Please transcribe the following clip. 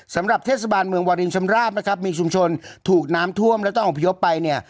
สำหรับเทศบาลเมืองวารินชำราบนะครับมีชุมชนถูกน้ำท่วมและต้องอพยพไปเนี่ย